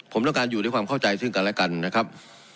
ผมต้องการอยู่ด้วยความเข้าใจซึ่งกันและกันนะครับ